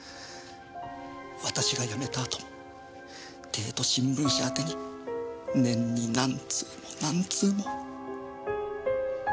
私が辞めた後も帝都新聞社宛てに年に何通も何通も。